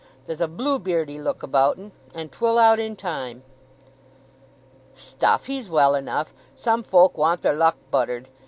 There's a blue beardy look about 'en; and 'twill out in time." "Stuff—he's well enough! Some folk want their luck buttered.